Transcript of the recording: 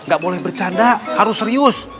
gak boleh bercanda harus serius